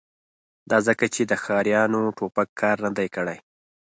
دا ځکه چې د ښکاریانو ټوپک کار نه دی کړی